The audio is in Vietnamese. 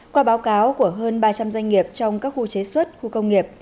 qua báo cáo của hơn ba trăm linh doanh nghiệp trong các khu chế xuất khu công nghiệp